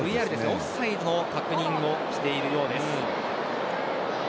オフサイドの確認をしているようです。